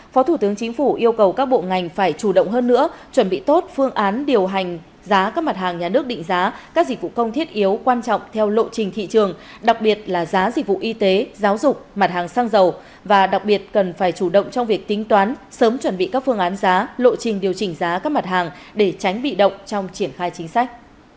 phó thủ tướng chính phủ yêu cầu các bộ ngành phải chủ động hơn nữa chuẩn bị tốt phương án điều hành giá các mặt hàng nhà nước định giá các dịch vụ công thiết yếu quan trọng theo lộ trình thị trường đặc biệt là giá dịch vụ y tế giáo dục mặt hàng xăng dầu và đặc biệt cần phải chủ động trong việc tính toán sớm chuẩn bị các phương án giá lộ trình điều chỉnh giá các mặt hàng để tránh bị động trong triển khai chính sách